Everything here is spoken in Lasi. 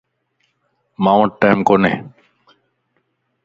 مان وٽ ٽيم ڪوني